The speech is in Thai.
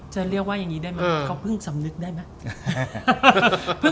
ก็แกเรียกว่าอย่างนี้ได้มั้ยเขาเพิ่งสำนึกได้มั้ย